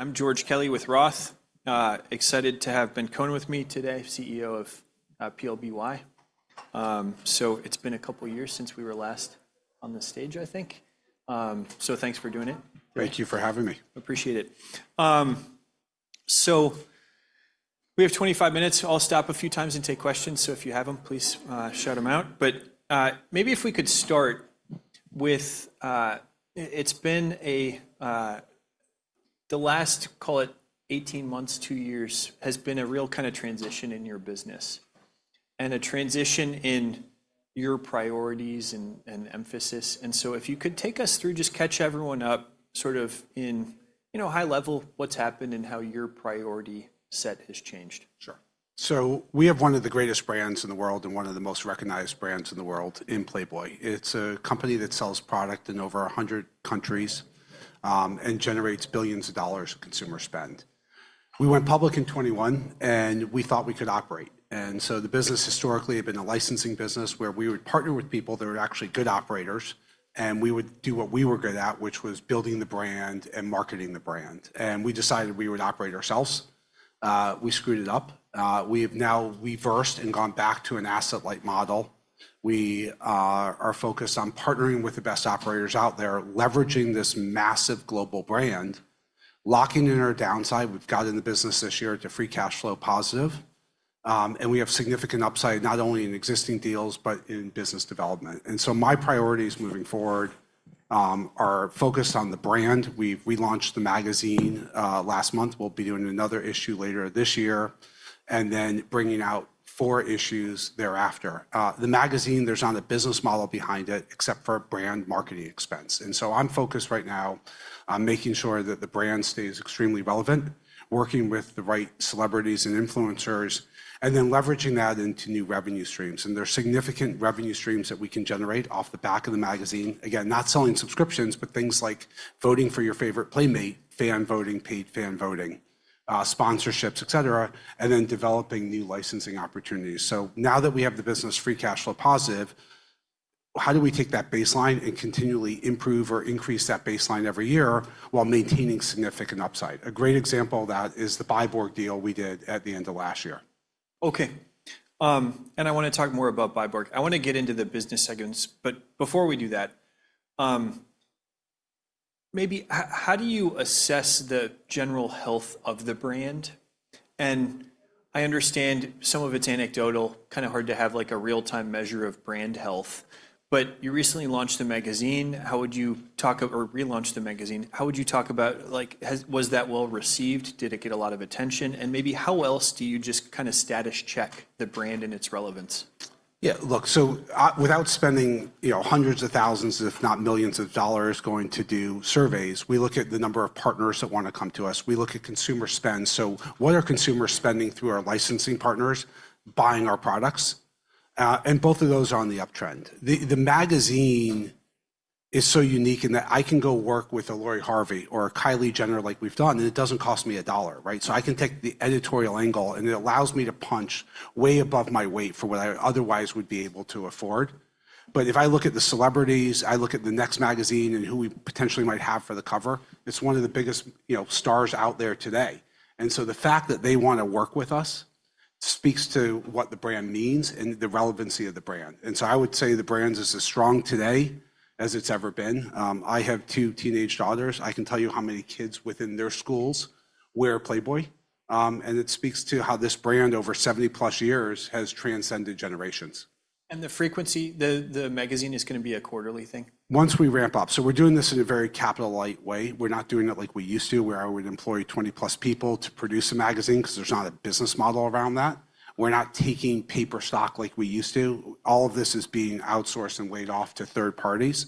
I'm George Kelly with ROTH. Excited to have Ben Kohn with me today, CEO of PLBY. It's been a couple of years since we were last on the stage, I think. Thanks for doing it. Thank you for having me. Appreciate it. So we have 25 minutes. I'll stop a few times and take questions, if you have them please shout them out. Maybe if we could start with a, it's been a, the last, call it 18 months, 2 years, has been a real kind of transition in your business and a transition in your priorities and emphasis. If you could take us through, just catch everyone up sort of in high level what's happened and how your priority set has changed. Sure. So we have one of the greatest brands in the world and one of the most recognized brands in the world in Playboy. It's a company that sells product in over 100 countries and generates billions of dollars in consumer spend. We went public in 21 and we thought we could operate. The business historically had been a licensing business where we would partner with people that were actually good operators and we would do what we were good at, which was building the brand and marketing the brand. We decided we would operate ourselves. We screwed it up. We have now reversed and gone back to an asset-light model. We are focused on partnering with the best operators out there, leveraging this massive global brand, locking in our downside. We've gotten the business this year to free cash flow positive and we have significant upside, not only in existing deals, but in business development. My priorities moving forward are focused on the brand. We launched the magazine last month. We will be doing another issue later this year and then bringing out four issues thereafter. The magazine, there is not a business model behind it except for brand marketing expense. I am focused right now on making sure that the brand stays extremely relevant, working with the right celebrities and influencers, and leveraging that into new revenue streams and there are significant revenue streams that we can generate off the back of the magazine. Again, not selling subscriptions, but things like voting for your favorite Playmate, fan voting, paid fan voting, sponsorships, et cetera and then developing new licensing opportunities. Now that we have the business free cash flow positive, how do we take that baseline and continually improve or increase that baseline every year while maintaining significant upside? A great example of that is the Byborg deal we did at the end of last year. Okay. I want to talk more about Byborg. I want to get into the business segments. Before we do that, maybe how do you assess the general health of the brand? And I understand some of it is anecdotal, kind of hard to have a real-time measure of brand health. But you recently launched the magazine. How would you talk or relaunch the magazine? How would you talk about, was that well received? Did it get a lot of attention? And maybe how else do you just kind of status check the brand and its relevance? Yeah. Look, without spending hundreds of thousands, if not millions of dollars, going to do surveys, we look at the number of partners that want to come to us. We look at consumer spend. What are consumers spending through our licensing partners buying our products? Both of those are on the uptrend. The magazine is so unique in that I can go work with a Lori Harvey or a Kylie Jenner like we've done and it does not cost me a dollar, right? I can take the editorial angle, and it allows me to punch way above my weight for what I otherwise would be able to afford. If I look at the celebrities, I look at the next magazine and who we potentially might have for the cover, it is one of the biggest stars out there today. The fact that they want to work with us speaks to what the brand means and the relevancy of the brand. I would say the brand is as strong today as it's ever been. I have 2 teenage daughters. I can tell you how many kids within their schools wear Playboy. It speaks to how this brand over 70-plus years has transcended generations. The frequency, the magazine is going to be a quarterly thing? Once we ramp up. We're doing this in a very capital-light way. We're not doing it like we used to, where I would employ 20-plus people to produce a magazine because there's not a business model around that. We're not taking paper stock like we used to. All of this is being outsourced and laid off to third parties.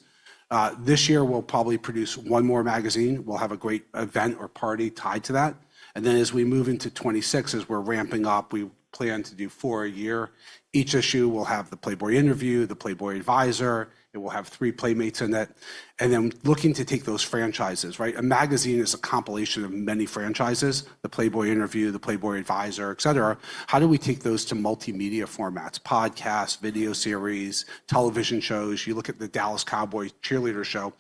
This year, we'll probably produce one more magazine. We'll have a great event or party tied to that. As we move into 26, as we're ramping up, we plan to do 4 a year. Each issue will have the Playboy Interview, the Playboy Advisor. It will have three Playmates in it. Looking to take those franchises, right? A magazine is a compilation of many franchises, the Playboy Interview, the Playboy Advisor, et cetera. How do we take those to multimedia formats? Podcasts, video series, television shows. You look at the Dallas Cowboys cheerleader show.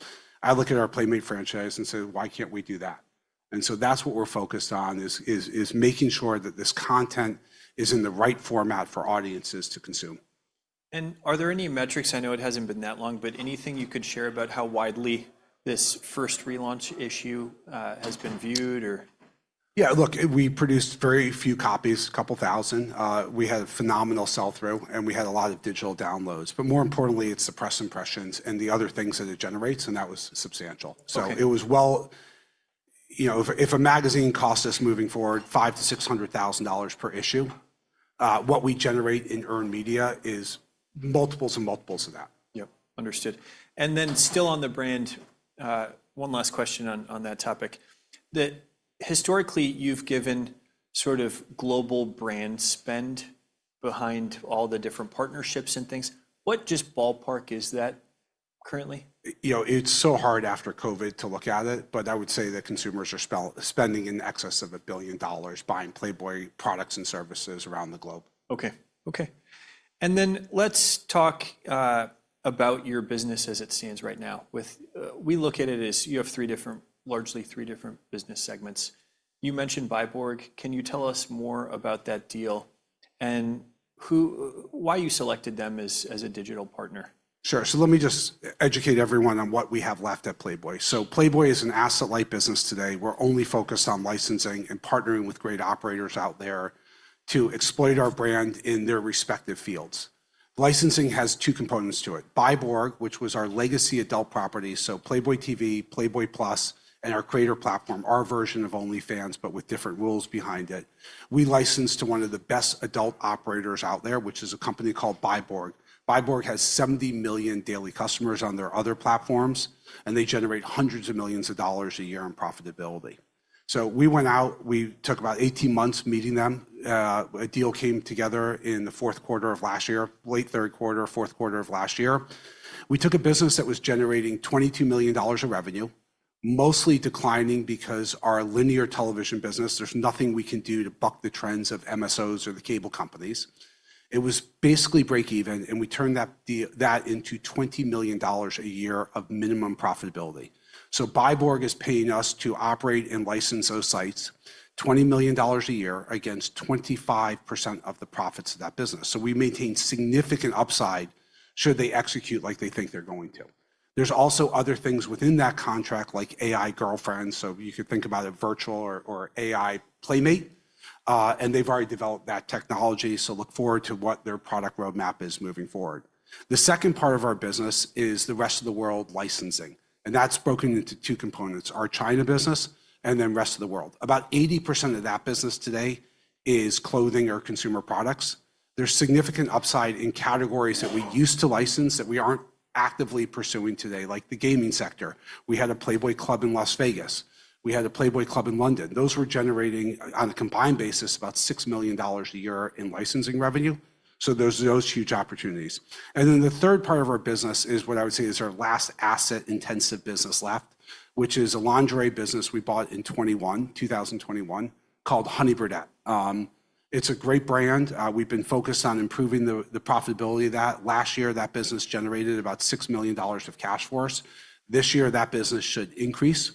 I look at our Playmate franchise and say, "Why can't we do that?" That is what we're focused on, making sure that this content is in the right format for audiences to consume. Are there any metrics? I know it hasn't been that long, but anything you could share about how widely this first relaunch issue has been viewed or? Yeah. Look, we produced very few copies, a couple thousand. We had a phenomenal sell-through and we had a lot of digital downloads. More importantly, it's the press impressions and the other things that it generates and that was substantial. It was well, you know, if a magazine costs us moving forward $500,000-$600,000 per issue, what we generate in earned media is multiples and multiples of that. Yep. Understood. Still on the brand, one last question on that topic. Historically, you've given sort of global brand spend behind all the different partnerships and things. What just ballpark is that currently? It's so hard after COVID to look at it, but I would say that consumers are spending in excess of $1 billion buying Playboy products and services around the globe. Okay. Okay. Let's talk about your business as it stands right now. We look at it as you have 3 different, largely 3 different business segments. You mentioned Byborg. Can you tell us more about that deal and why you selected them as a digital partner? Sure. Let me just educate everyone on what we have left at Playboy. So Playboy is an asset-light business today. We're only focused on licensing and partnering with great operators out there to exploit our brand in their respective fields. Licensing has 2 components to it. Byborg, which was our legacy adult property, so Playboy TV, Playboy Plus, and our creator platform, our version of OnlyFans but with different rules behind it. We licensed to one of the best adult operators out there, which is a company called Byborg. Byborg has 70 million daily customers on their other platforms and they generate hundreds of millions of dollars a year in profitability. We went out, we took about 18 months meeting them. A deal came together in the Q4 of last year, late Q3, Q4 of last year. We took a business that was generating $22 million in revenue, mostly declining because our linear television business, there's nothing we can do to buck the trends of MSOs or the cable companies. It was basically break even and we turned that into $20 million a year of minimum profitability. Byborg is paying us to operate and license those sites, $20 million a year against 25% of the profits of that business. We maintain significant upside should they execute like they think they're going to. There are also other things within that contract like AI girlfriends. You could think about a virtual or AI Playmate and they've already developed that technology. Look forward to what their product roadmap is moving forward. The second part of our business is the rest of the world licensing. That's broken into 2 components, our China business and then rest of the world. About 80% of that business today is clothing or consumer products. There's significant upside in categories that we used to license that we aren't actively pursuing today like the gaming sector. We had a Playboy Club in Las Vegas, we had a Playboy Club in London. Those were generating on a combined basis about $6 million a year in licensing revenue. Those are those huge opportunities. The third part of our business is what I would say is our last asset-intensive business left which is a lingerie business we bought in 2021 called Honey Birdette. It's a great brand, we've been focused on improving the profitability of that. Last year, that business generated about $6 million of cash for us. This year, that business should increase.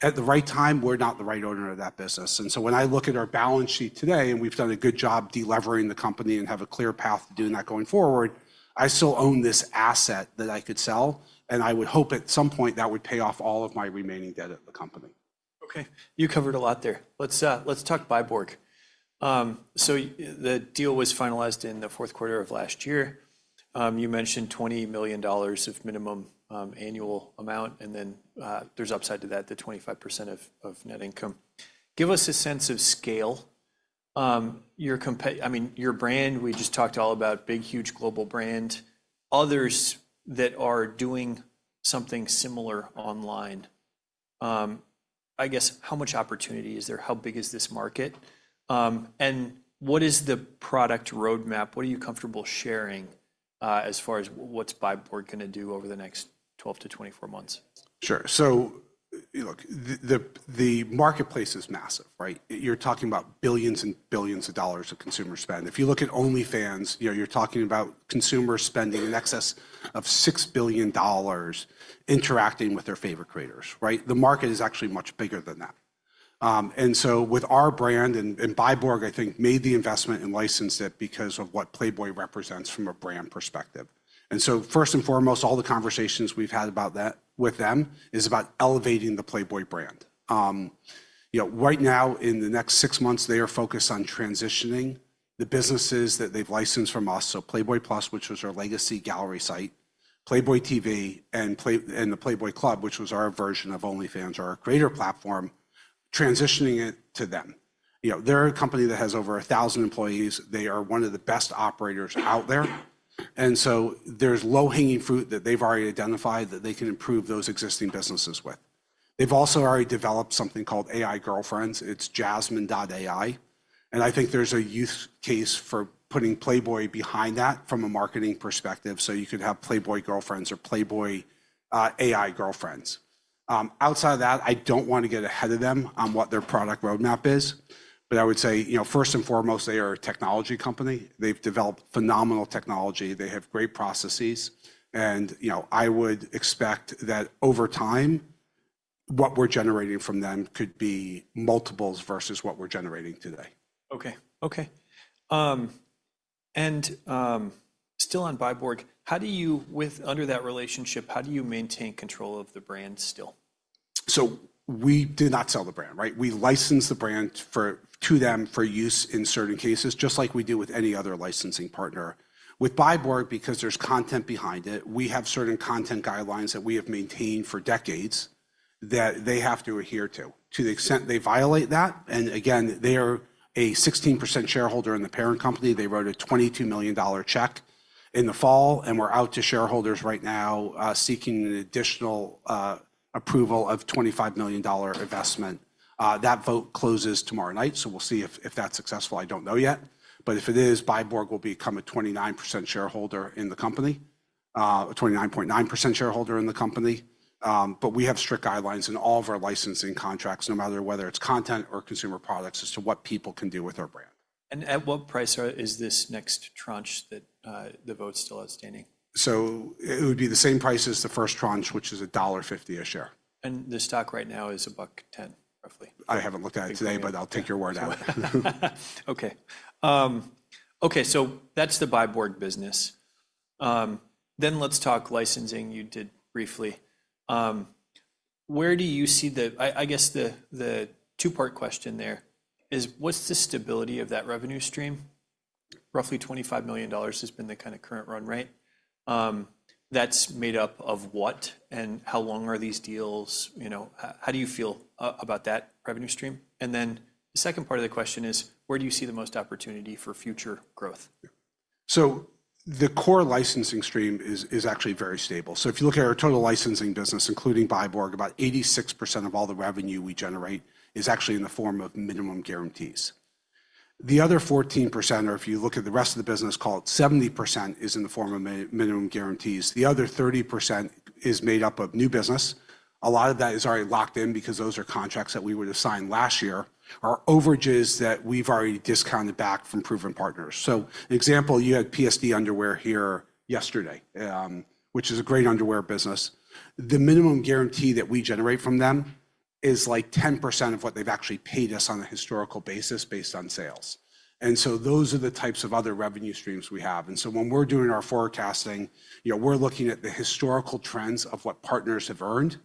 At the right time, we're not the right owner of that business. When I look at our balance sheet today and we've done a good job deleveraging the company and have a clear path of doing that going forward, I still own this asset that I could sell and I would hope at some point that would pay off all of my remaining debt at the company. Okay. You covered a lot there. Let's talk Byborg. The deal was finalized in the Q4 of last year. You mentioned $20 million of minimum annual amount and then there's upside to that, the 25% of net income. Give us a sense of scale. I mean, your brand, we just talked all about big, huge global brand. Others that are doing something similar online, I guess, how much opportunity is there? How big is this market? What is the product roadmap? What are you comfortable sharing as far as what's Byborg going to do over the next 12-24 months? Sure. Look, the marketplace is massive, right? You're talking about billions and billions of dollars of consumer spend. If you look at OnlyFans, you're talking about consumers spending in excess of $6 billion interacting with their favorite creators, right? The market is actually much bigger than that. With our brand and Byborg, I think, made the investment and licensed it because of what Playboy represents from a brand perspective. First and foremost, all the conversations we've had with them is about elevating the Playboy brand. Right now, in the next 6 months, they are focused on transitioning the businesses that they've licensed from us, so Playboy Plus, which was our legacy gallery site, Playboy TV, and the Playboy Club, which was our version of OnlyFans or our creator platform, transitioning it to them. They're a company that has over 1,000 employees. They are one of the best operators out there. There is low-hanging fruit that they have already identified that they can improve those existing businesses with. They have also already developed something called AI girlfriends. It is Jasmin.ai. I think there is a use case for putting Playboy behind that from a marketing perspective so you could have Playboy girlfriends or Playboy AI girlfriends. Outside of that, I do not want to get ahead of them on what their product roadmap is. I would say, first and foremost, they are a technology company. They have developed phenomenal technology. They have great processes and, you know, I would expect that over time, what we are generating from them could be multiples versus what we are generating today. Okay. Okay. Still on Byborg, how do you, under that relationship, how do you maintain control of the brand still? We do not sell the brand, right? We license the brand to them for use in certain cases just like we do with any other licensing partner. With Byborg, because there is content behind it, we have certain content guidelines that we have maintained for decades that they have to adhere to, to the extent they violate that and again, they are a 16% shareholder in the parent company. They wrote a $22 million check in the fall and we are out to shareholders right now seeking an additional approval of $25 million investment. That vote closes tomorrow night. We will see if that is successful. I do not know yet. If it is, Byborg will become a 29% shareholder in the company, a 29.9% shareholder in the company. We have strict guidelines in all of our licensing contracts no matter whether it's content or consumer products as to what people can do with our brand. At what price is this next tranche that the vote's still outstanding? It would be the same price as the first tranche which is $1.50 a share. The stock right now is $1.10, roughly. I haven't looked at it today, but I'll take your word on it. Okay. Okay. That's the Byborg business. Let's talk licensing, you did briefly. Where do you see the, I guess the 2-part question there is, what's the stability of that revenue stream? Roughly $25 million has been the kind of current run, right? That's made up of what and how long are these deals? How do you feel about that revenue stream? The second part of the question is, where do you see the most opportunity for future growth? The core licensing stream is actually very stable. If you look at our total licensing business, including Byborg, about 86% of all the revenue we generate is actually in the form of minimum guarantees. The other 14% or if you look at the rest of the business, call it 70%, is in the form of minimum guarantees. The other 30% is made up of new business. A lot of that is already locked in because those are contracts that we would have signed last year, our overages that we've already discounted back from proven partners. So example, you had PSD Underwear here yesterday, which is a great underwear business. The minimum guarantee that we generate from them is like 10% of what they've actually paid us on a historical basis based on sales. Those are the types of other revenue streams we have. When we're doing our forecasting, we're looking at the historical trends of what partners have earned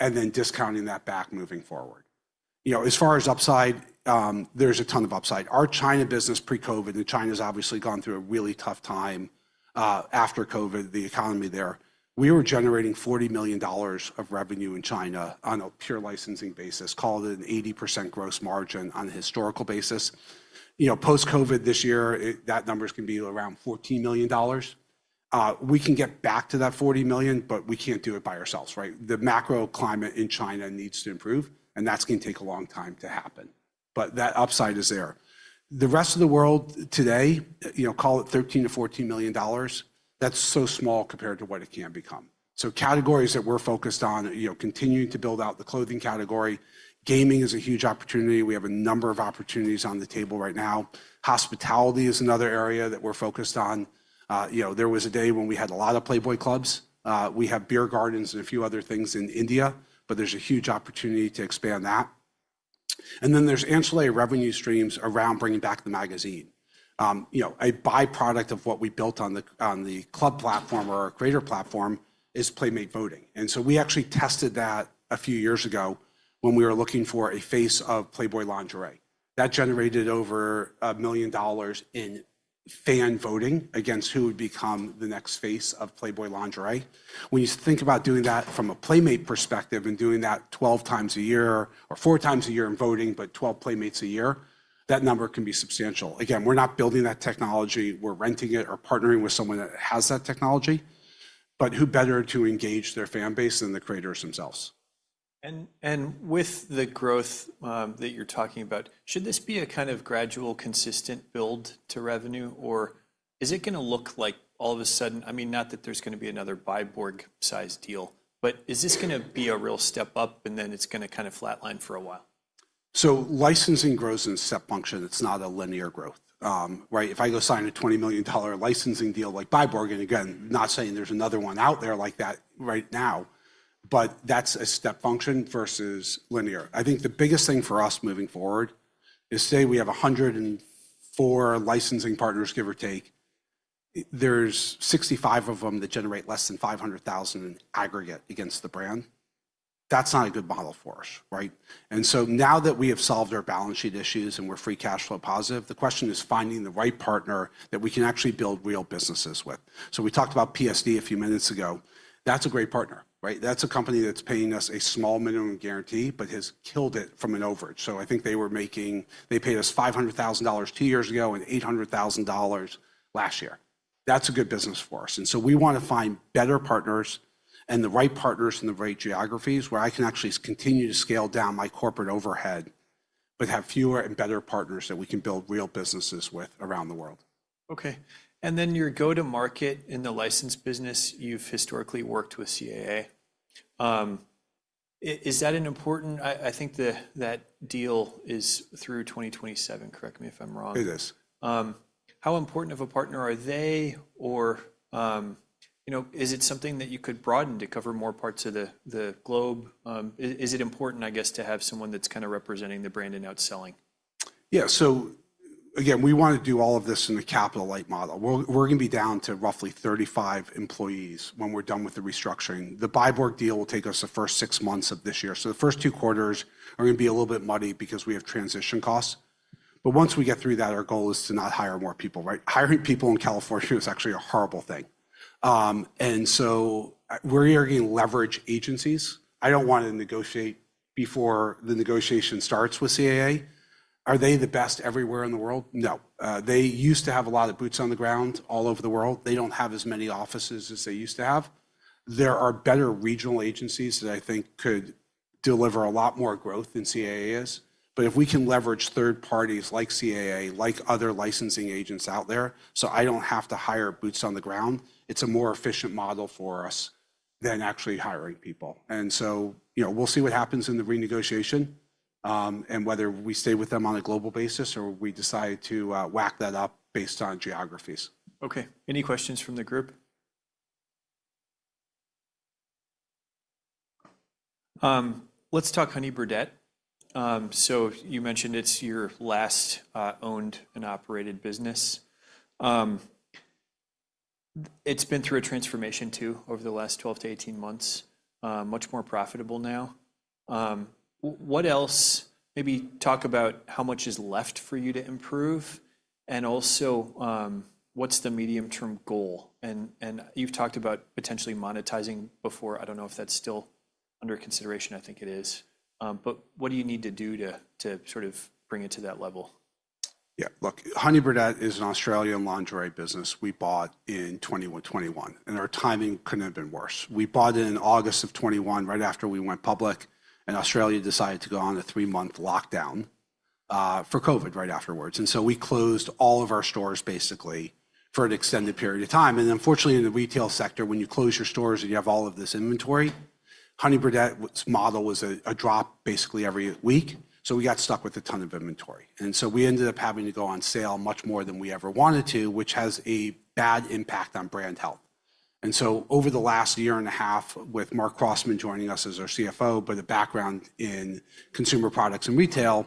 and then discounting that back moving forward. As far as upside, there's a ton of upside. Our China business pre-COVID and China's obviously gone through a really tough time after COVID, the economy there. We were generating $40 million of revenue in China on a pure licensing basis called an 80% gross margin on a historical basis. Post-COVID this year, that number is going to be around $14 million. We can get back to that $40 million, but we can't do it by ourselves, right? The macro climate in China needs to improve, and that's going to take a long time to happen. That upside is there. The rest of the world today, call it $13-$14 million. That's so small compared to what it can become. Categories that we're focused on, continuing to build out the clothing category. Gaming is a huge opportunity. We have a number of opportunities on the table right now. Hospitality is another area that we're focused on. There was a day when we had a lot of Playboy Clubs. We have beer gardens and a few other things in India but there's a huge opportunity to expand that. Then there's ancillary revenue streams around bringing back the magazine. A byproduct of what we built on the club platform or our creator platform is Playmate voting. We actually tested that a few years ago when we were looking for a face of Playboy lingerie. That generated over $1 million in fan voting against who would become the next face of Playboy lingerie. When you think about doing that from a Playmate perspective and doing that 12 times a year or 4 times a year in voting but 12 Playmates a year, that number can be substantial. Again, we're not building that technology. We're renting it or partnering with someone that has that technology. Who better to engage their fan base than the creators themselves? With the growth that you're talking about, should this be a kind of gradual, consistent build to revenue, or is it going to look like all of a sudden, I mean, not that there's going to be another Byborg-sized deal, but is this going to be a real step up and then it's going to kind of flatline for a while? Licensing grows in step function. It's not a linear growth, right? If I go sign a $20 million licensing deal like Byborg, and again, not saying there's another one out there like that right now but that's a step function versus linear. I think the biggest thing for us moving forward is say we have 104 licensing partners, give or take. There are 65 of them that generate less than $500,000 in aggregate against the brand. That's not a good model for us, right? Now that we have solved our balance sheet issues and we're free cash flow positive, the question is finding the right partner that we can actually build real businesses with. We talked about PSD a few minutes ago. That's a great partner, right? That's a company that's paying us a small minimum guarantee, but has killed it from an overage. I think they were making, they paid us $500,000 2 years ago and $800,000 last year. That's a good business for us. We want to find better partners and the right partners in the right geographies where I can actually continue to scale down my corporate overhead but have fewer and better partners that we can build real businesses with around the world. Okay. And then your go-to-market in the license business, you've historically worked with CAA. Is that important? I think that deal is through 2027. Correct me if I'm wrong. It is. How important of a partner are they or is it something that you could broaden to cover more parts of the globe? Is it important, I guess, to have someone that's kind of representing the brand and outselling? Yeah. Again, we want to do all of this in a capital-light model. We're going to be down to roughly 35 employees when we're done with the restructuring. The Byborg deal will take us the first 6 months of this year. The first 2 quarters are going to be a little bit muddy because we have transition costs. Once we get through that, our goal is to not hire more people, right? Hiring people in California is actually a horrible thing. We're creating leverage against agencies. I do not want to negotiate before the negotiation starts with CAA. Are they the best everywhere in the world? No. They used to have a lot of boots on the ground all over the world. They do not have as many offices as they used to have. There are better regional agencies that I think could deliver a lot more growth than CAA is. If we can leverage third parties like CAA like other licensing agents out there, so I don't have to hire boots on the ground, it's a more efficient model for us than actually hiring people. We'll see what happens in the renegotiation and whether we stay with them on a global basis or we decide to whack that up based on geographies. Okay. Any questions from the group? Let's talk Honey Birdette. You mentioned it's your last owned and operated business. It's been through a transformation too over the last 12-18 months, much more profitable now. What else? Maybe talk about how much is left for you to improve and also what's the medium-term goal? You've talked about potentially monetizing before. I don't know if that's still under consideration. I think it is. What do you need to do to sort of bring it to that level? Yeah. Look, Honey Birdette is an Australian lingerie business we bought in 2021. Our timing could not have been worse. We bought it in August of 2021, right after we went public and Australia decided to go on a 3-month lockdown for COVID right afterwards. We closed all of our stores basically for an extended period of time. Unfortunately, in the retail sector, when you close your stores and you have all of this inventory, Honey Birdette's model was a drop basically every week so we got stuck with a ton of inventory. We ended up having to go on sale much more than we ever wanted to, which has a bad impact on brand health. Over the last year and a half, with Marc Crossman joining us as our CFO, with a background in consumer products and retail,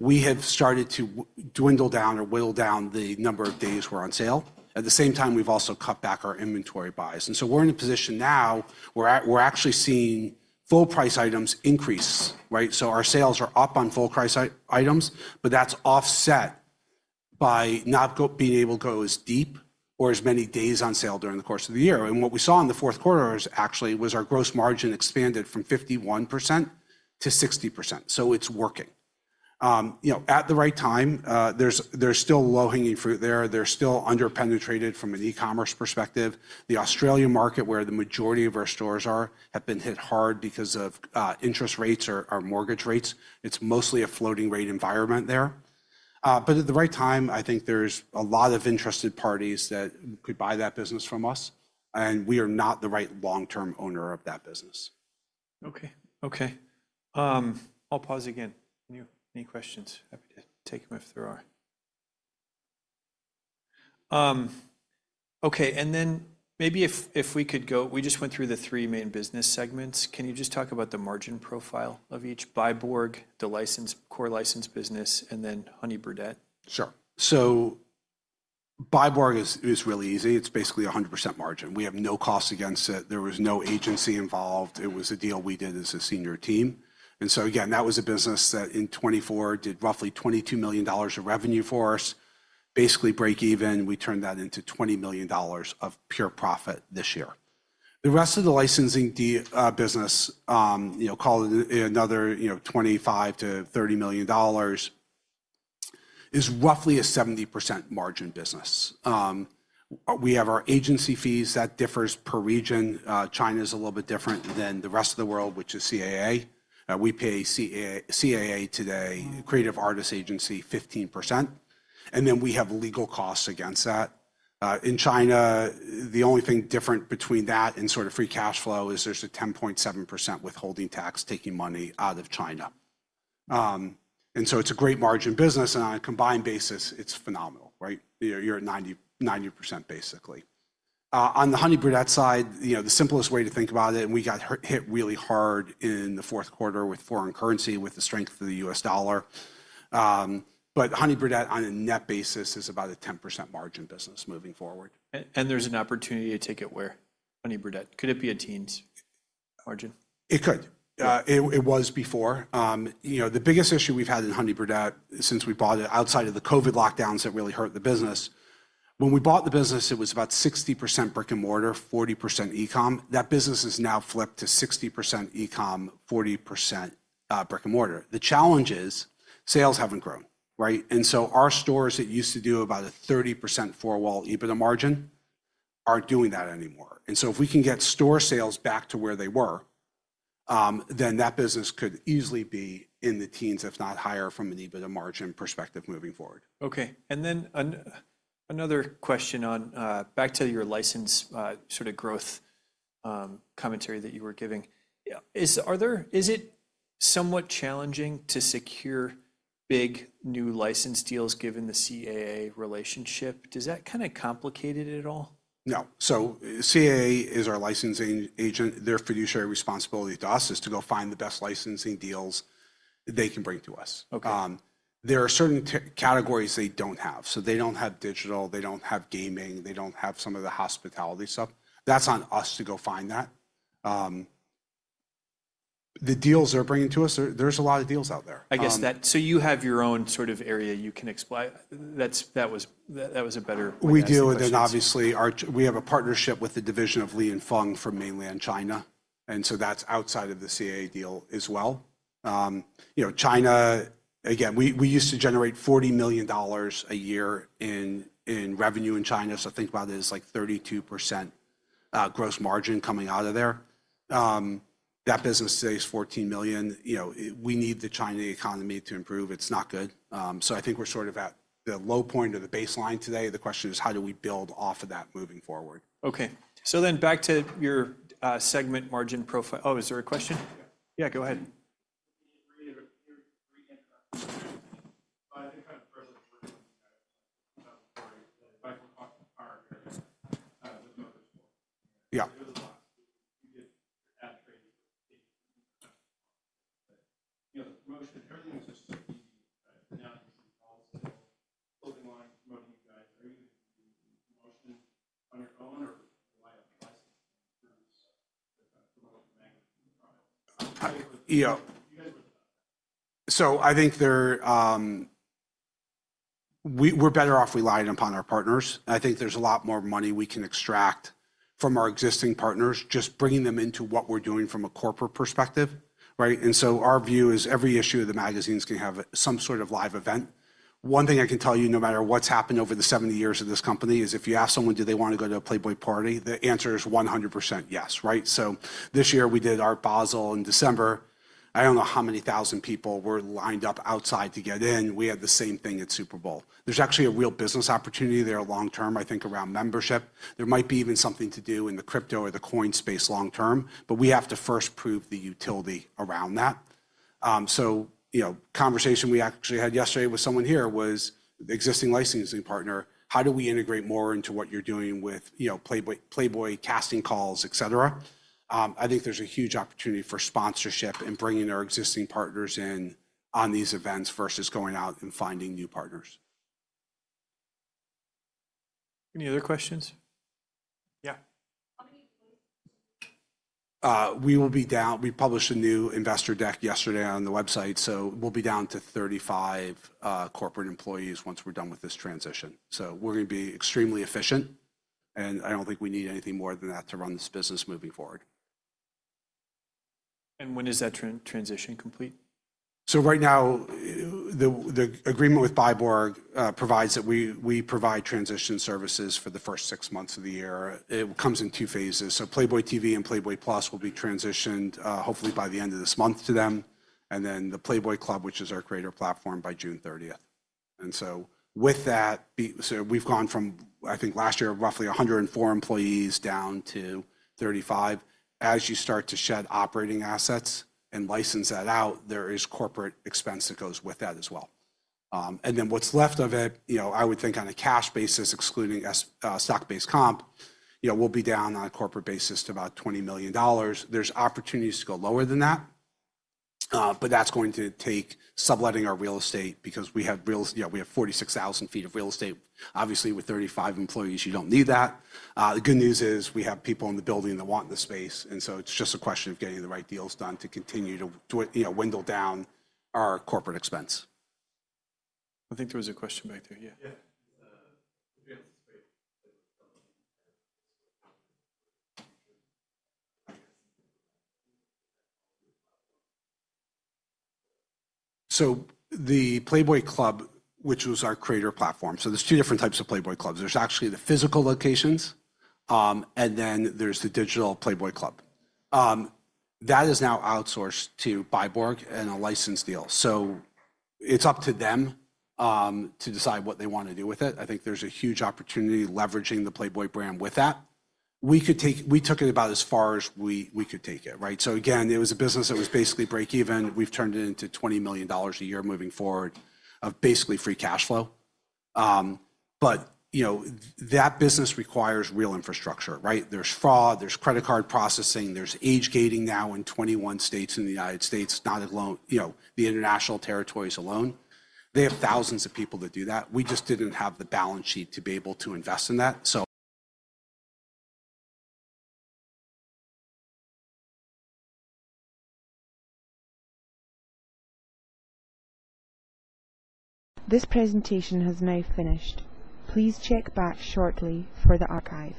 we have started to dwindle down or whittle down the number of days we're on sale. At the same time, we've also cut back our inventory buys. We're in a position now where we're actually seeing full-price items increase, right? Our sales are up on full-price items but that's offset by not being able to go as deep or as many days on sale during the course of the year. What we saw in the Q4 actually was our gross margin expanded from 51%-60% so it's working. At the right time, there's still low-hanging fruit there. They're still under-penetrated from an e-commerce perspective. The Australian market, where the majority of our stores are, has been hit hard because of interest rates or mortgage rates. It's mostly a floating-rate environment there. At the right time, I think there's a lot of interested parties that could buy that business from us. We are not the right long-term owner of that business. Okay. Okay. I'll pause again. Any questions? Happy to take them if there are. Okay. Maybe if we could go, we just went through the 3 main business segments. Can you just talk about the margin profile of each? Byborg, the core license business, and then Honey Birdette. Sure. Byborg is really easy. It is basically 100% margin. We have no cost against it. There was no agency involved. It was a deal we did as a senior team. Again, that was a business that in 24 did roughly $22 million of revenue for us, basically break even. We turned that into $20 million of pure profit this year. The rest of the licensing business call it another $25-$30 million, is roughly a 70% margin business. We have our agency fees that differ per region. China is a little bit different than the rest of the world, which is CAA. We pay CAA today, Creative Artists Agency, 15%. Then we have legal costs against that. In China, the only thing different between that and sort of free cash flow is there is a 10.7% withholding tax taking money out of China. It is a great margin business. On a combined basis, it is phenomenal, right? You are at 90% basically. On the Honey Birdette side, the simplest way to think about it and we got hit really hard in the fourth quarter with foreign currency with the strength of the US dollar. Honey Birdette, on a net basis, is about a 10% margin business moving forward. There's an opportunity to take it where? Honey Birdette, could it be a teens margin? It could. It was before. The biggest issue we've had in Honey Birdette since we bought it outside of the COVID lockdowns that really hurt the business, when we bought the business, it was about 60% brick and mortar, 40% e-comm. That business has now flipped to 60% e-comm, 40% brick and mortar. The challenge is sales haven't grown, right? Our stores that used to do about a 30% 4-wall EBITDA margin aren't doing that anymore. If we can get store sales back to where they were, then that business could easily be in the teens if not higher from an EBITDA margin perspective moving forward. Okay. Another question on back to your license sort of growth commentary that you were giving. Is it somewhat challenging to secure big new license deals given the CAA relationship? Does that kind of complicate it at all? No. CAA is our licensing agent. Their fiduciary responsibility to us is to go find the best licensing deals they can bring to us. There are certain categories they do not have. They do not have digital, they do not have gaming, they do not have some of the hospitality stuff. That is on us to go find that. The deals they are bringing to us, there are a lot of deals out there. I guess that you have your own sort of area you can explain. That was a better question. We deal with it, obviously. We have a partnership with the division of Li & Fung from mainland China. That is outside of the CAA deal as well. China, again, we used to generate $40 million a year in revenue in China. Think about it as like 32% gross margin coming out of there. That business today is $14 million. We need the China economy to improve. It is not good. I think we are sort of at the low point of the baseline today. The question is, how do we build off of that moving forward? Okay. So then back to your segment margin profile. Oh, is there a question? Yeah, go ahead. I think we're better off relying upon our partners. I think there's a lot more money we can extract from our existing partners just bringing them into what we're doing from a corporate perspective, right? Our view is every issue of the magazines can have some sort of live event. One thing I can tell you, no matter what's happened over the 70 years of this company, is if you ask someone, do they want to go to a Playboy party, the answer is 100% yes, right? This year we did Art Basel in December. I don't know how many thousand people were lined up outside to get in. We had the same thing at Super Bowl. There's actually a real business opportunity there long-term, I think, around membership. There might be even something to do in the crypto or the coin space long-term but we have to first prove the utility around that. Conversation we actually had yesterday with someone here was the existing licensing partner, how do we integrate more into what you're doing with Playboy casting calls, et cetera. I think there's a huge opportunity for sponsorship and bringing our existing partners in on these events versus going out and finding new partners. Any other questions? Yeah. We will be down. We published a new investor deck yesterday on the website so we will be down to 35 corporate employees once we're done with this transition. We are going to be extremely efficient and I do not think we need anything more than that to run this business moving forward. When is that transition complete? Right now, the agreement with Byborg provides that we provide transition services for the first 6 months of the year. It comes in 2 phases. Playboy TV and Playboy Plus will be transitioned hopefully by the end of this month to them. The Playboy Club, which is our creator platform, by June 30th. With that, we've gone from, I think last year, roughly 104 employees down to 35. As you start to shed operating assets and license that out, there is corporate expense that goes with that as well. What's left of it, I would think on a cash basis, excluding stock-based comp, we'll be down on a corporate basis to about $20 million. There are opportunities to go lower than that but that's going to take subletting our real estate because we have 46,000 square feet of real estate. Obviously, with 35 employees, you do not need that. The good news is we have people in the building that want the space. It is just a question of getting the right deals done to continue to winnow down our corporate expense. I think there was a question back there. Yeah. The Playboy Club, which was our creator platform, so there are 2 different types of Playboy Clubs. There are actually the physical locations and then there is the digital Playboy Club. That is now outsourced to Byborg in a license deal. It is up to them to decide what they want to do with it. I think there is a huge opportunity leveraging the Playboy brand with that. We took it about as far as we could take it, right? It was a business that was basically break even. We have turned it into $20 million a year moving forward of basically free cash flow. That business requires real infrastructure, right? There is fraud, there is credit card processing, there is age gating now in 21 states in the United States, not the international territories alone. They have thousands of people that do that. We just did not have the balance sheet to be able to invest in that so. This presentation has now finished. Please check back shortly for the archive.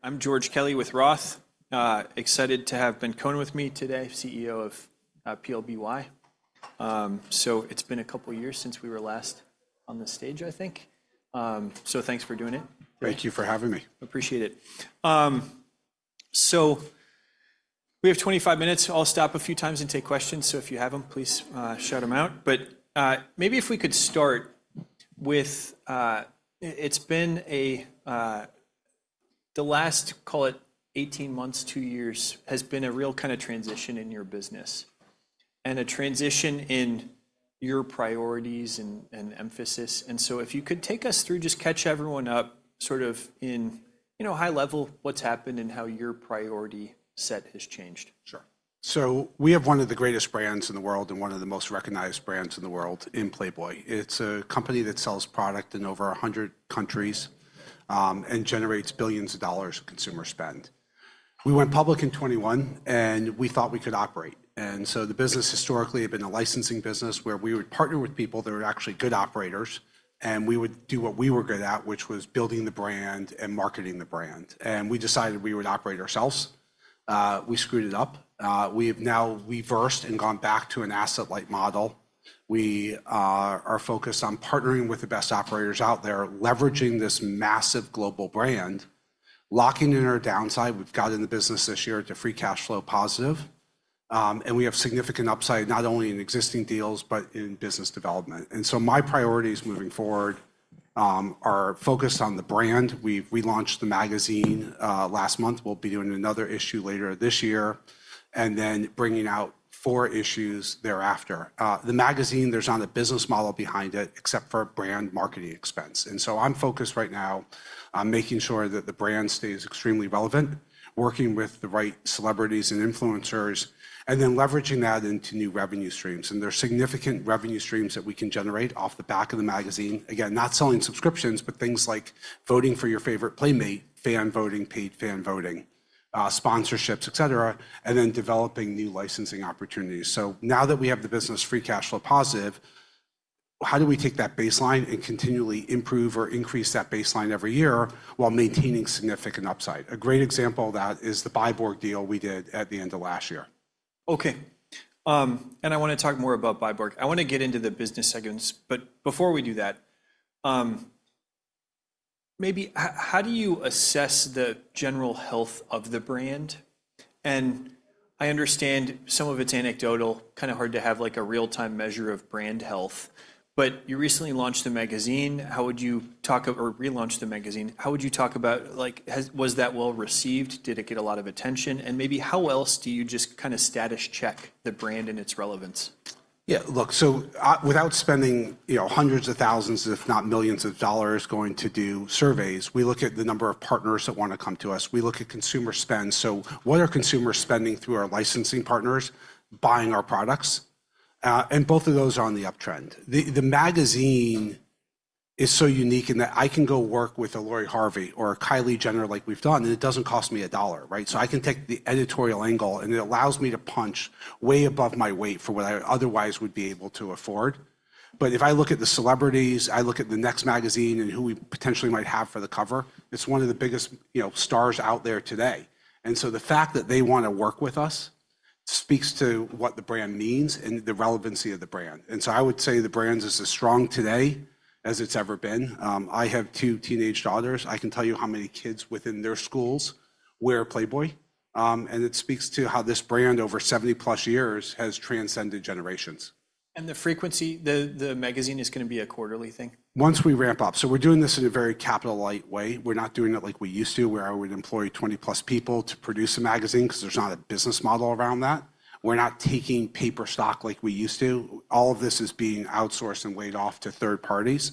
I'm George Kelly with ROTH. Excited to have Ben Kohn with me today, CEO of PLBY. It's been a couple of years since we were last on the stage, I think. Thanks for doing it. Thank you for having me. Appreciate it. We have 25 minutes. I'll stop a few times and take questions. If you have them, please shout them out. Maybe if we could start with, it's been the last, call it 18 months, 2 years, has been a real kind of transition in your business and a transition in your priorities and emphasis. If you could take us through just catch everyone up sort of in high level what's happened and how your priority set has changed. Sure. We have one of the greatest brands in the world and one of the most recognized brands in the world in Playboy. It's a company that sells product in over 100 countries and generates billions of dollars of consumer spend. We went public in 21, and we thought we could operate. The business historically had been a licensing business where we would partner with people that were actually good operators and we would do what we were good at, which was building the brand and marketing the brand. We decided we would operate ourselves. We screwed it up. We have now reversed and gone back to an asset-light model. We are focused on partnering with the best operators out there, leveraging this massive global brand, locking in our downside. We've gotten the business this year to free cash flow positive. We have significant upside, not only in existing deals, but in business development. My priorities moving forward are focused on the brand. We launched the magazine last month. We'll be doing another issue later this year and then bringing out 4 issues thereafter. The magazine, there's not a business model behind it, except for brand marketing expense. I'm focused right now on making sure that the brand stays extremely relevant, working with the right celebrities and influencers, and then leveraging that into new revenue streams. There are significant revenue streams that we can generate off the back of the magazine. Again, not selling subscriptions but things like voting for your favorite Playmate, fan voting, paid fan voting, sponsorships, et cetera, and then developing new licensing opportunities. Now that we have the business free cash flow positive, how do we take that baseline and continually improve or increase that baseline every year while maintaining significant upside? A great example of that is the Byborg deal we did at the end of last year. Okay. I want to talk more about Byborg. I want to get into the business segments. Before we do that, maybe how do you assess the general health of the brand? I understand some of it is anecdotal, kind of hard to have a real-time measure of brand health. But you recently launched the magazine. How would you talk or relaunch the magazine? How would you talk about, was that well received? Did it get a lot of attention? Maybe how else do you just kind of status check the brand and its relevance? Yeah, look, without spending hundreds of thousands, if not millions of dollars, going to do surveys, we look at the number of partners that want to come to us. We look at consumer spend. What are consumers spending through our licensing partners buying our products? Both of those are on the uptrend. The magazine is so unique in that I can go work with a Lori Harvey or a Kylie Jenner like we've done, and it doesn't cost me a dollar, right? I can take the editorial angle and it allows me to punch way above my weight for what I otherwise would be able to afford. If I look at the celebrities, I look at the next magazine and who we potentially might have for the cover. It's one of the biggest stars out there today. The fact that they want to work with us speaks to what the brand means and the relevancy of the brand. I would say the brand is as strong today as it's ever been. I have 2 teenage daughters. I can tell you how many kids within their schools wear Playboy. It speaks to how this brand over 70-plus years has transcended generations. The frequency, the magazine is going to be a quarterly thing? Once we ramp up. We're doing this in a very capital-light way. We're not doing it like we used to where I would employ 20-plus people to produce a magazine because there's not a business model around that. We're not taking paper stock like we used to. All of this is being outsourced and laid off to third parties.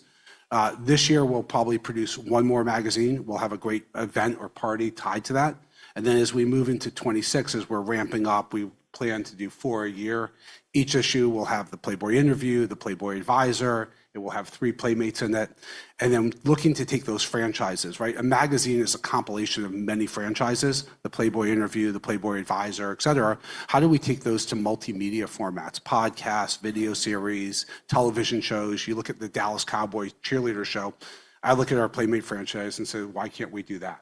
This year, we'll probably produce one more magazine. We'll have a great event or party tied to that. As we move into 26, as we're ramping up, we plan to do 4 a year. Each issue will have the Playboy interview, the Playboy advisor. It will have 3 Playmates in it. Looking to take those franchises, right? A magazine is a compilation of many franchises: the Playboy interview, the Playboy advisor, et cetera. How do we take those to multimedia formats? Podcasts, video series, television shows. You look at the Dallas Cowboys cheerleader show. I look at our Playmate franchise and say, "Why can't we do that?"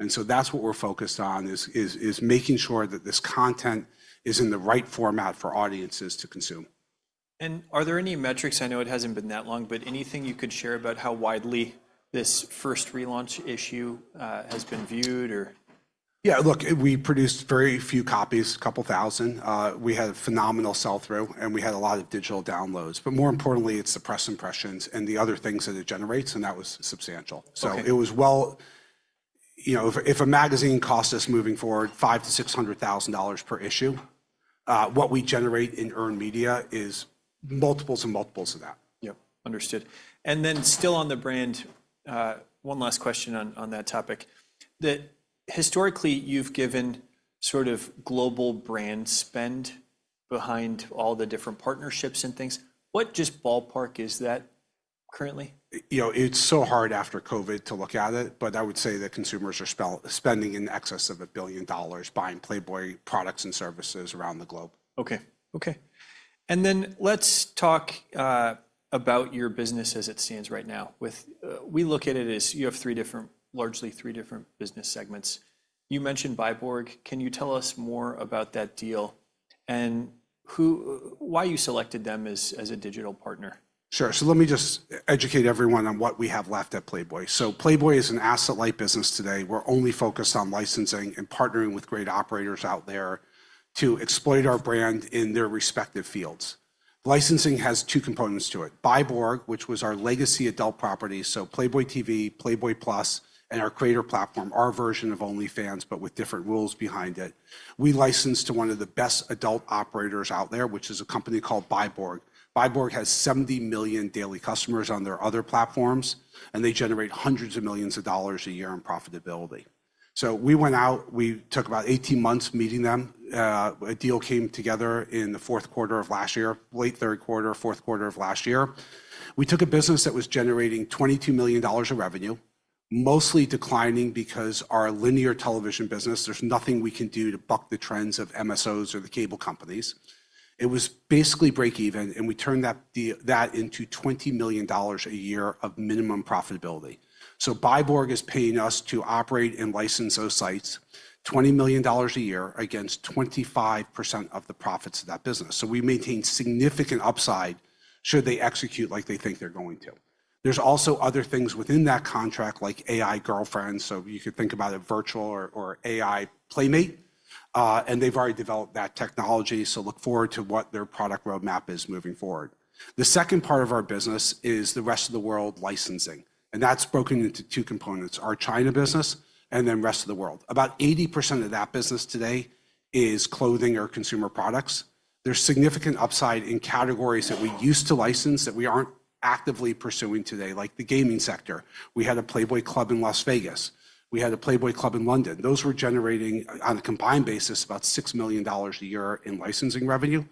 That is what we are focused on, making sure that this content is in the right format for audiences to consume. Are there any metrics? I know it hasn't been that long, but anything you could share about how widely this first relaunch issue has been viewed or? Yeah, look, we produced very few copies, a couple thousand. We had a phenomenal sell-through and we had a lot of digital downloads. More importantly, it is the press impressions and the other things that it generates and that was substantial. It was well, you know, if a magazine costs us moving forward $500,000-$600,000 per issue, what we generate in earned media is multiples and multiples of that. Yep. Understood. Still on the brand, one last question on that topic. Historically, you've given sort of global brand spend behind all the different partnerships and things. What just ballpark is that currently? It's so hard after COVID to look at it, but I would say that consumers are spending in excess of $1 billion buying Playboy products and services around the globe. Okay. Okay. Let's talk about your business as it stands right now. We look at it as you have 3 different, largely 3 different business segments. You mentioned Byborg. Can you tell us more about that deal and why you selected them as a digital partner? Sure. Let me just educate everyone on what we have left at Playboy. So Playboy is an asset-light business today. We're only focused on licensing and partnering with great operators out there to exploit our brand in their respective fields. Licensing has 2 components to it. Byborg, which was our legacy adult property, so Playboy TV, Playboy Plus, and our creator platform, our version of OnlyFans, but with different rules behind it. We licensed to one of the best adult operators out there, which is a company called Byborg. Byborg has 70 million daily customers on their other platforms and they generate hundreds of millions of dollars a year in profitability. We went out, we took about 18 months meeting them. A deal came together in the Q4 of last year, late Q3, Q4 of last year. We took a business that was generating $22 million of revenue, mostly declining because our linear television business, there's nothing we can do to buck the trends of MSOs or the cable companies. It was basically break even, and we turned that into $20 million a year of minimum profitability. Byborg is paying us to operate and license those sites, $20 million a year against 25% of the profits of that business. We maintain significant upside should they execute like they think they're going to. There's also other things within that contract like AI girlfriends. You could think about a virtual or AI Playmate and they've already developed that technology. Look forward to what their product roadmap is moving forward. The second part of our business is the rest of the world licensing. That's broken into 2 components, our China business and then rest of the world. About 80% of that business today is clothing or consumer products. There's significant upside in categories that we used to license that we aren't actively pursuing today like the gaming sector. We had a Playboy Club in Las Vegas. We had a Playboy Club in London. Those were generating on a combined basis about $6 million a year in licensing revenue.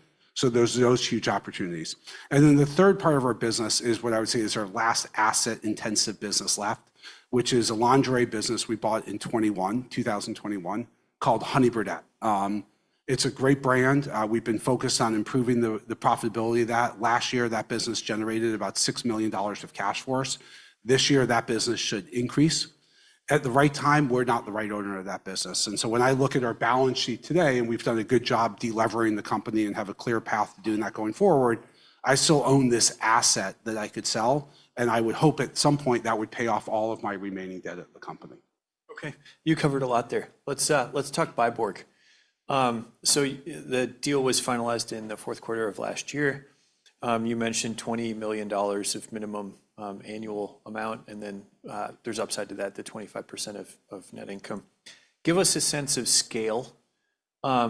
There's those huge opportunities. The third part of our business is what I would say is our last asset-intensive business left which is a lingerie business we bought in 2021 called Honey Birdette. It's a great brand. We've been focused on improving the profitability of that. Last year, that business generated about $6 million of cash for us. This year, that business should increase. At the right time, we're not the right owner of that business. When I look at our balance sheet today, and we've done a good job delevering the company and have a clear path to doing that going forward, I still own this asset that I could sell, and I would hope at some point that would pay off all of my remaining debt at the company. Okay. You covered a lot there. Let's talk Byborg. The deal was finalized in the Q4 of last year. You mentioned $20 million of minimum annual amount and then there's upside to that, the 25% of net income. Give us a sense of scale. I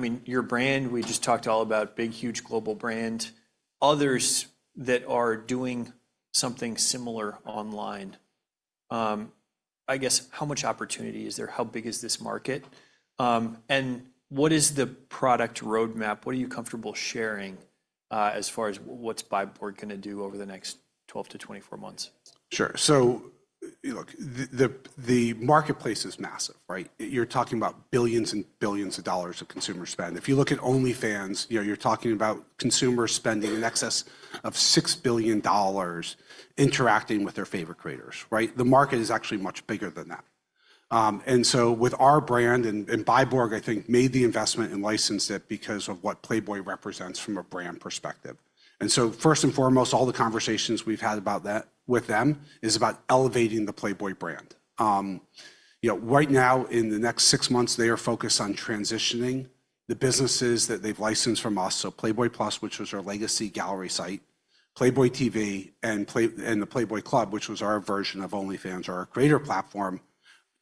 mean, your brand, we just talked all about big, huge global brand. Others that are doing something similar online, I guess, how much opportunity is there? How big is this market? What is the product roadmap? What are you comfortable sharing as far as what's Byborg going to do over the next 12-24 months? Sure. Look, the marketplace is massive, right? You're talking about billions and billions of dollars of consumer spend. If you look at OnlyFans, you're talking about consumers spending in excess of $6 billion interacting with their favorite creators, right? The market is actually much bigger than that. With our brand and Byborg, I think, made the investment and licensed it because of what Playboy represents from a brand perspective. First and foremost, all the conversations we've had with them is about elevating the Playboy brand. Right now, in the next 6 months, they are focused on transitioning the businesses that they've licensed from us, so Playboy Plus, which was our legacy gallery site, Playboy TV, and the Playboy Club, which was our version of OnlyFans or our creator platform,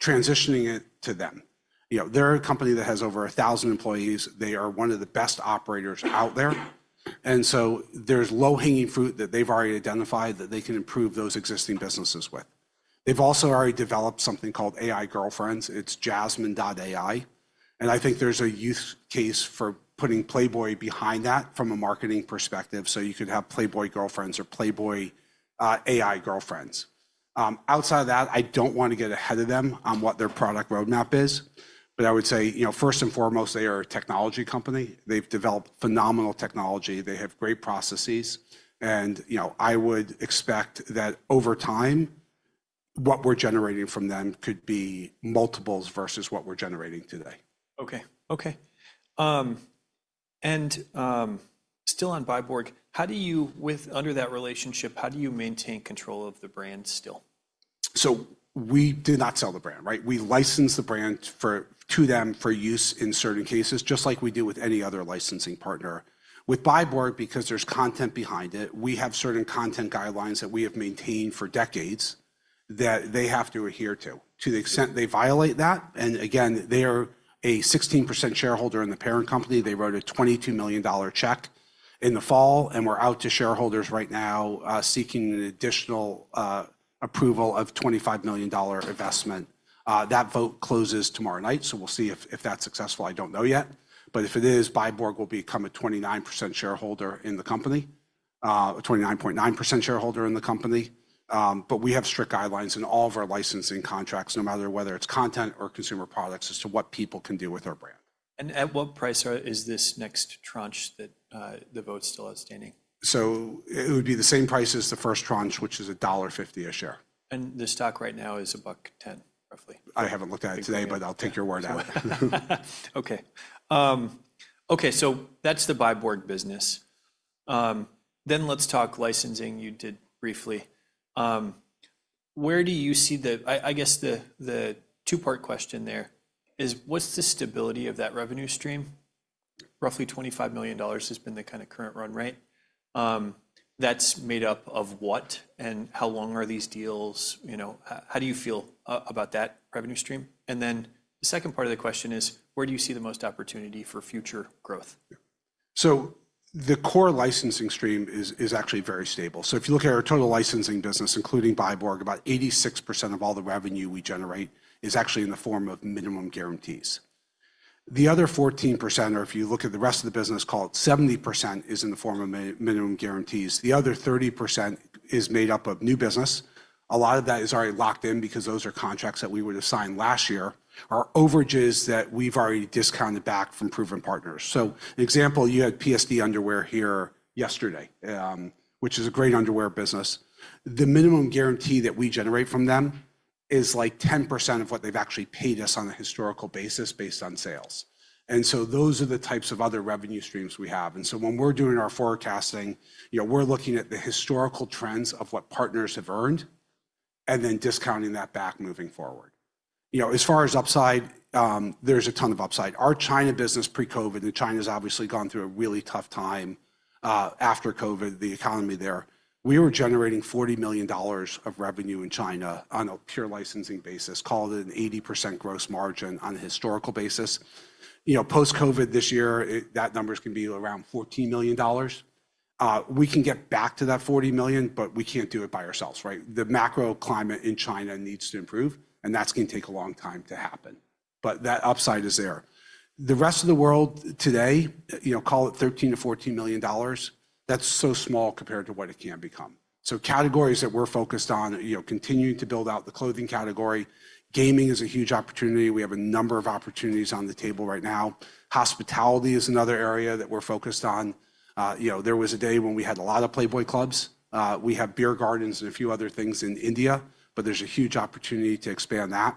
transitioning it to them. They're a company that has over 1,000 employees. They are one of the best operators out there. There is low-hanging fruit that they have already identified that they can improve those existing businesses with. They have also already developed something called AI girlfriends, It is Jasmine.ai. I think there is a use case for putting Playboy behind that from a marketing perspective so you could have Playboy girlfriends or Playboy AI girlfriends. Outside of that, I do not want to get ahead of them on what their product roadmap is. I would say, first and foremost, they are a technology company. They have developed phenomenal technology. They have great processes. I would expect that over time, what we are generating from them could be multiples versus what we are generating today. Okay. Okay. Still on Byborg, how do you, under that relationship, how do you maintain control of the brand still? We do not sell the brand, right? We license the brand to them for use in certain cases, just like we do with any other licensing partner. With Byborg, because there is content behind it, we have certain content guidelines that we have maintained for decades that they have to adhere to. To the extent they violate that, and again, they are a 16% shareholder in the parent company. They wrote a $22 million check in the fall, and we are out to shareholders right now seeking an additional approval of $25 million investment. That vote closes tomorrow night so we will see if that is successful, I do not know yet. If it is, Byborg will become a 29% shareholder in the company, a 29.9% shareholder in the company but we have strict guidelines in all of our licensing contracts no matter whether it's content or consumer products as to what people can do with our brand. At what price is this next tranche that the vote's still outstanding? It would be the same price as the first tranche which is $1.50 a share. The stock right now is a buck 10, roughly. I haven't looked at it today, but I'll take your word out. Okay. Okay. That's the Byborg business. Let's talk licensing, you did briefly. Where do you see the, I guess, the 2-part question there is, what's the stability of that revenue stream? Roughly $25 million has been the kind of current run, right? That's made up of what and how long are these deals? How do you feel about that revenue stream? The second part of the question is, where do you see the most opportunity for future growth? The core licensing stream is actually very stable. If you look at our total licensing business, including Byborg, about 86% of all the revenue we generate is actually in the form of minimum guarantees. The other 14% or if you look at the rest of the business call it 70%, is in the form of minimum guarantees. The other 30% is made up of new business. A lot of that is already locked in because those are contracts that we would have signed last year or overages that we've already discounted back from proven partners. An example, you had PSD Underwear here yesterday, which is a great underwear business. The minimum guarantee that we generate from them is like 10% of what they've actually paid us on a historical basis based on sales. Those are the types of other revenue streams we have. When we're doing our forecasting, we're looking at the historical trends of what partners have earned and then discounting that back moving forward. As far as upside, there's a ton of upside. Our China business pre-COVID and China's obviously gone through a really tough time after COVID, the economy there. We were generating $40 million of revenue in China on a pure licensing basis called an 80% gross margin on a historical basis. Post-COVID this year, that number's going to be around $14 million. We can get back to that $40 million, but we can't do it by ourselves, right? The macro climate in China needs to improve, and that's going to take a long time to happen. That upside is there. The rest of the world today call it $13-$14 million. That's so small compared to what it can become. Categories that we're focused on, continuing to build out the clothing category. Gaming is a huge opportunity. We have a number of opportunities on the table right now. Hospitality is another area that we're focused on. There was a day when we had a lot of Playboy Clubs. We have beer gardens and a few other things in India but there's a huge opportunity to expand that.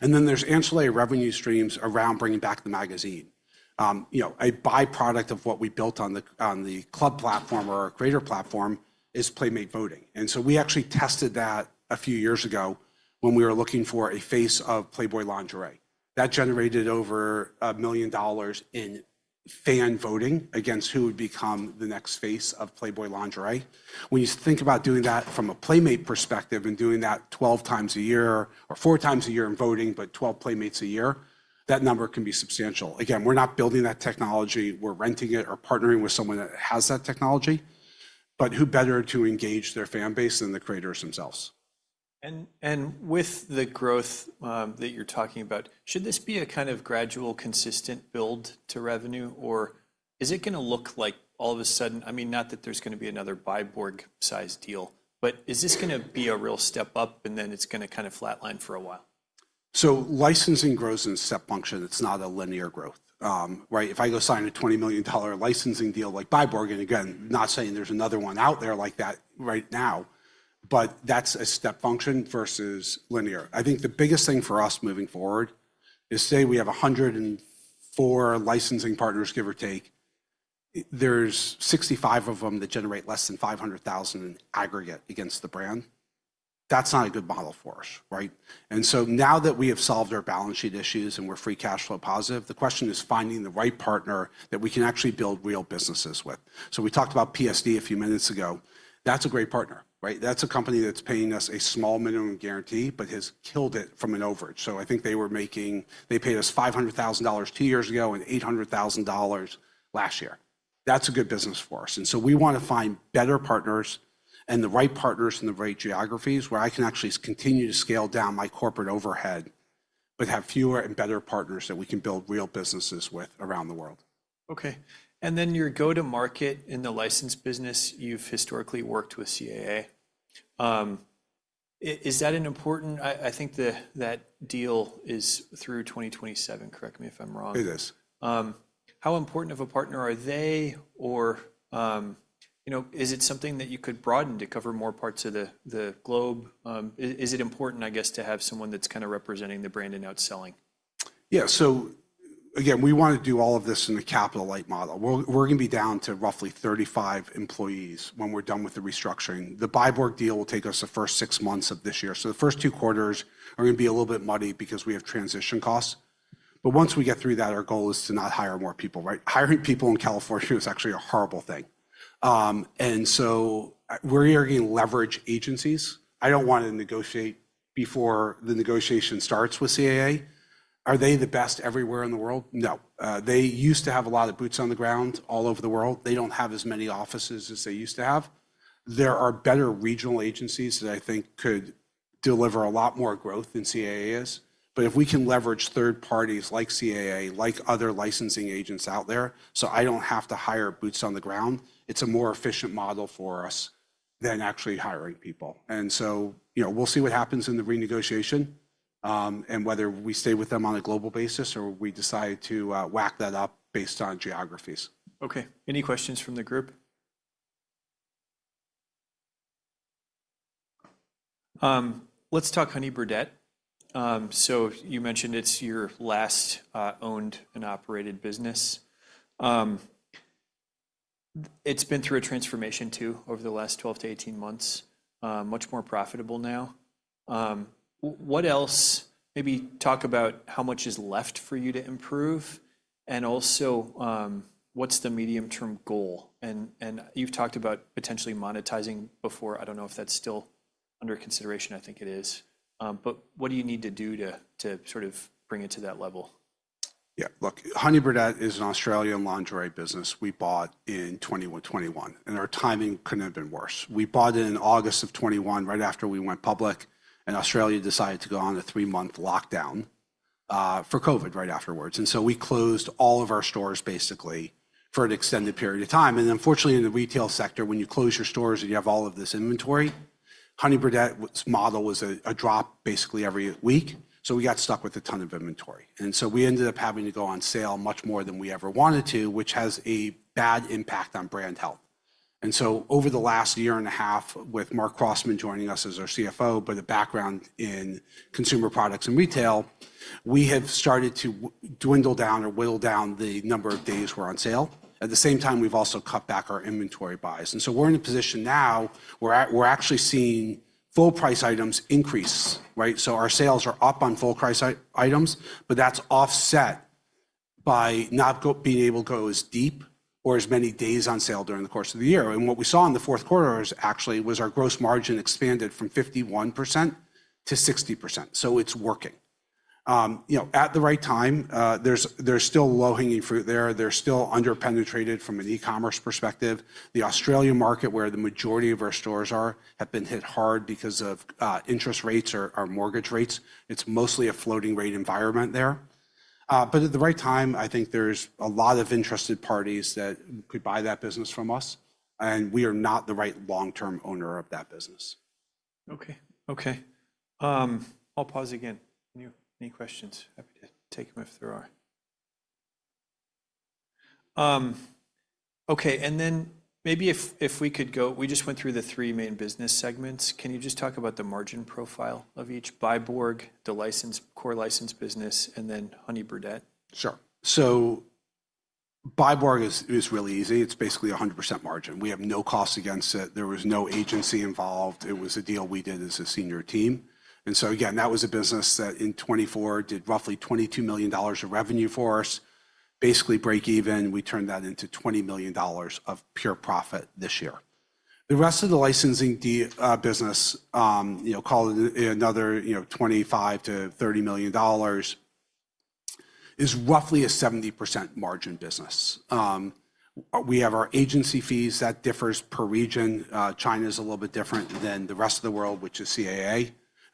Then there's ancillary revenue streams around bringing back the magazine. A byproduct of what we built on the club platform or our creator platform is Playmate voting. We actually tested that a few years ago when we were looking for a face of Playboy lingerie. That generated over $1 million in fan voting against who would become the next face of Playboy lingerie. When you think about doing that from a Playmate perspective and doing that 12 times a year or 4 times a year in voting but 12 Playmates a year, that number can be substantial. Again, we're not building that technology. We're renting it or partnering with someone that has that technology. Who better to engage their fan base than the creators themselves? With the growth that you're talking about, should this be a kind of gradual, consistent build to revenue, or is it going to look like all of a sudden, I mean, not that there's going to be another Byborg-sized deal, but is this going to be a real step up and then it's going to kind of flatline for a while? Licensing grows in step function. It's not a linear growth, right? If I go sign a $20 million licensing deal like Byborg, and again, not saying there's another one out there like that right now but that's a step function versus linear. I think the biggest thing for us moving forward is, say, we have 104 licensing partners, give or take. There are 65 of them that generate less than $500,000 in aggregate against the brand. That's not a good model for us, right? Now that we have solved our balance sheet issues and we're free cash flow positive, the question is finding the right partner that we can actually build real businesses with. We talked about PSD a few minutes ago. That's a great partner, right? That's a company that's paying us a small minimum guarantee but has killed it from an overage. I think they were making, they paid us $500,000 2 years ago and $800,000 last year. That's a good business for us. We want to find better partners and the right partners in the right geographies where I can actually continue to scale down my corporate overhead but have fewer and better partners that we can build real businesses with around the world. Okay. And then your go-to-market in the license business, you've historically worked with CAA. Is that important? I think that deal is through 2027. Correct me if I'm wrong. It is. How important of a partner are they or is it something that you could broaden to cover more parts of the globe? Is it important, I guess, to have someone that's kind of representing the brand and outselling? Yeah. Again, we want to do all of this in a capital-light model. We're going to be down to roughly 35 employees when we're done with the restructuring. The Byborg deal will take us the first 6 months of this year. The first 2 quarters are going to be a little bit muddy because we have transition costs. Once we get through that, our goal is to not hire more people, right? Hiring people in California is actually a horrible thing. We're going to leverage agencies. I don't want to negotiate before the negotiation starts with CAA. Are they the best everywhere in the world? No. They used to have a lot of boots on the ground all over the world. They don't have as many offices as they used to have. There are better regional agencies that I think could deliver a lot more growth than CAA is. If we can leverage third parties like CAA like other licensing agents out there, so I do not have to hire boots on the ground, it is a more efficient model for us than actually hiring people. We will see what happens in the renegotiation and whether we stay with them on a global basis or we decide to whack that up based on geographies. Okay. Any questions from the group? Let's talk Honey Birdette. You mentioned it's your last owned and operated business. It's been through a transformation too over the last 12-18 months. Much more profitable now. What else? Maybe talk about how much is left for you to improve and also what's the medium-term goal? You've talked about potentially monetizing before. I don't know if that's still under consideration. I think it is. What do you need to do to sort of bring it to that level? Yeah. Look, Honey Birdette is an Australian lingerie business we bought in 2021. Our timing could not have been worse. We bought it in August of 2021 right after we went public and Australia decided to go on a 3-month lockdown for COVID right afterwards. We closed all of our stores basically for an extended period of time. Unfortunately, in the retail sector, when you close your stores and you have all of this inventory, Honey Birdette's model was a drop basically every week. We got stuck with a ton of inventory so we ended up having to go on sale much more than we ever wanted to which has a bad impact on brand health. Over the last year and a half, with Marc Crossman joining us as our CFO, with a background in consumer products and retail, we have started to dwindle down or whittle down the number of days we're on sale. At the same time, we've also cut back our inventory buys. We're in a position now where we're actually seeing full-price items increase, right? Our sales are up on full-price items, but that's offset by not being able to go as deep or as many days on sale during the course of the year. What we saw in the Q4 actually was our gross margin expanded from 51%-60%. It's working. At the right time, there's still low-hanging fruit there. They're still under-penetrated from an e-commerce perspective. The Australian market, where the majority of our stores are have been hit hard because of interest rates or mortgage rates. It is mostly a floating-rate environment there. At the right time, I think there is a lot of interested parties that could buy that business from us. We are not the right long-term owner of that business. Okay. Okay. I'll pause again. Any questions? Happy to take them if there are. Okay. Maybe if we could go, we just went through the three main business segments. Can you just talk about the margin profile of each? Byborg, the core license business, and then Honey Birdette. Sure. Byborg is really easy. It is basically a 100% margin. We have no cost against it. There was no agency involved. It was a deal we did as a senior team. That was a business that in 2024 did roughly $22 million of revenue for us. Basically break even. We turned that into $20 million of pure profit this year. The rest of the licensing business, call it another $25-$30 million, is roughly a 70% margin business. We have our agency fees that differ per region. China's a little bit different than the rest of the world, which is CAA.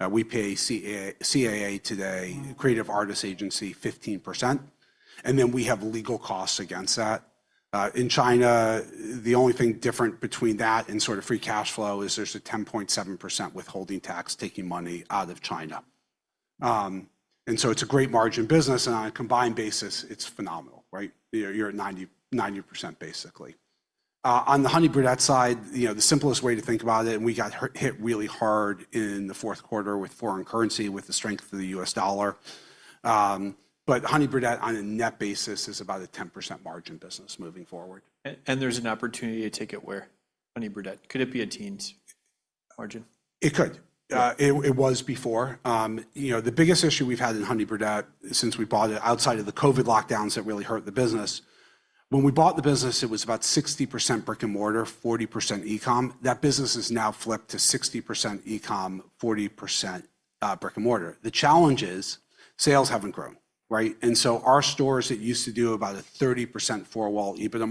We pay CAA today, Creative Artists Agency, 15% and then we have legal costs against that. In China, the only thing different between that and sort of free cash flow is there is a 10.7% withholding tax taking money out of China. It is a great margin business. On a combined basis, it is phenomenal, right? You are at 90% basically. On the Honey Birdette side, the simplest way to think about it, we got hit really hard in the Q4 with foreign currency with the strength of the US dollar. Honey Birdette, on a net basis is about a 10% margin business moving forward. There's an opportunity to take it where? Honey Birdette. Could it be a teens margin? It could. It was before. The biggest issue we've had in Honey Birdette since we bought it outside of the COVID lockdowns that really hurt the business, when we bought the business, it was about 60% brick and mortar, 40% e-com. That business has now flipped to 60% e-com, 40% brick and mortar. The challenge is sales haven't grown, right? And so our stores that used to do about a 30% 4-wall EBITDA.